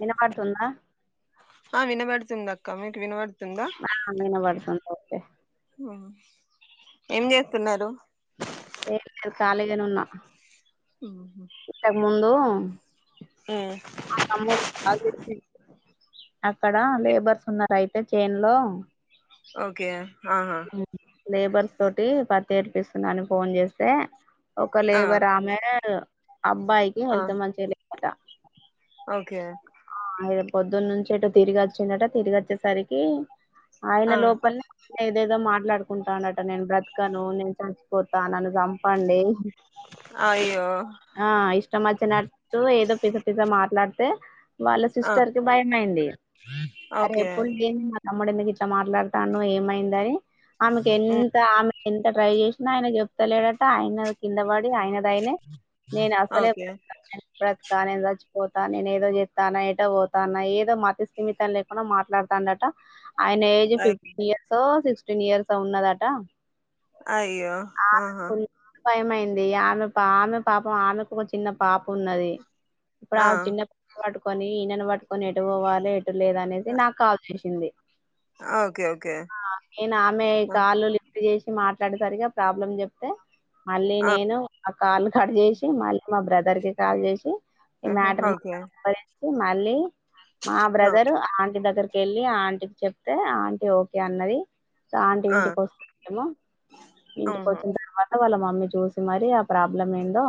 వినపడుతుందా అ వినబడుతుందక్క మీకు వినబడుతుందా ఆ వినబడుతుంది ఓకే ఏం చేత్తున్నారు ఏం లేదు ఖాళీగనే ఇంతకు ముందు ఉమ్ ఆ తమ్ముడు కాల్ చేసిన్ అక్కడ లేబర్స్ ఉన్నారు అయితే చేన్లో ఓకే ఆహా హ్మ్ లేబర్స్ తోటి పత్తి ఏరిపిస్తున్న అని ఫోన్ చేస్తే ఒక ఆ లేబర్ ఆమె అబ్బాయికి ఆ హెల్త్ మంచిలేదట కె ఆ [unintelligible] పొద్దున్ నుంచి ఎటో తిరిగి వచ్చిందట తిరిగి వచ్చేసరికి ఆయన ఆ లోపలే ఏదేదో మాట్లాడుకుంటానట నేను బ్రతకను నేను చచ్చపోతాను అను చంపండి అయ్యో ఆ ఇష్టం వచ్చినట్టు ఏదో పిసా పిసా మాట్లాడితే వాళ్ళ ఆ సిస్టర్ కి భయం అయింది అరే ఓకే ఎప్పుడు లేని తమ్ముడు ఎందుకు ఇట్లా మాట్లాడతాండూ ఏమైంద అని ఆమెకు ఉమ్ ఎంత ఆమె ఎంత ట్రై చేసినా ఆయన చెప్తలేడట ఆయన కింద పడి ఆయనదైనే నేను అసలే ఓకే బ్రత నేను బ్రతకా చచ్చిపోతా నేను ఏదో చే తన ఎటో పోతాన్నయ్ ఏదో మతిస్థమితం లేకుండా మాట్లాడతాండట ఆయన ఏజ్ అయ్ ఫిఫ్టీ ఇయర్స్ ఓ సిక్స్టీన్ ఇయర్స్ ఉన్నదట అయ్యో ఆ ఆహా కున్ భయమైంది దెయ్య ఆమె పా ఆమె పాపం ఆమెకు ఒక చిన్న పాప ఉన్నది ఇప్పుడు ఆ చిన్న పట్టుకొని ఈయనెను పట్టుకొని ఎటు పోవాలి ఎటు లేదు అనేది నాకు కాల్ చేసింది ఓకే ఓకే ఆ నేను ఆమె ఆ కాలు లిఫ్ట్ చేసి మాట్లాడేసరిగా ప్రాబ్లం చెప్తే మళ్ళీ ఆ నేను ఆ కాల్ కట్ చేసి మళ్ళ మా బ్రదర్ కి కాల్ చేసి ఆహ హౌద్యా చి మళ్ళీ మా బ్రదర్ ఆంటీ దగ్గర ఎళ్ళి ఆ ఆంటీకి చెప్తే ఆంటీ ఓకే అన్నది ఆంటి ఆ ఇంటికి వస్తుందేమో ఇంటికి ఆహా వచ్చిన తర్వాత వాళ్ళ మ మమ్మీ చూసి మరి ఆ ప్రాబ్లం ఏందో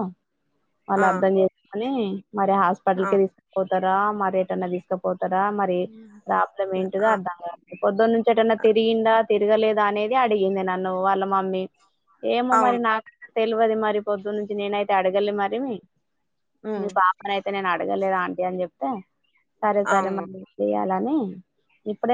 వాళ్ళు ఆ అర్ధం చేసుకోని మరి ఆ హాస్పిటల్ కి తీసుకపోతారా మరేటన్నా తీసుకపో తర మరి ప్రాబ్లెమ్ ఏంటిదో ఆ, అర్థం కాట్లే పొద్దున్న నుంచి ఎటన్నా తిరిగిందా తిరగలేదా అనేది అడిగింది నన్ను వాళ్ళ మమ్మీ ఏమో మరి అవును నాకు తెలియదు మరి పొద్దునుంచి నేనైతే అడగలే మరి మీ ఉమ్ పాపనయితే నేను అడగలేదు ఆంటీ అని చెప్తే సరే సరే అవును మళ్ళీ చెయ్యాలని ఇప్పుడే